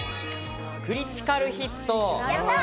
クリティカルヒット。